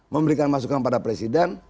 memberikan masukan pada presiden